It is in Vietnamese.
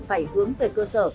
phải hướng về cơ sở